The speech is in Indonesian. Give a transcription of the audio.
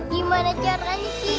gimana caranya ki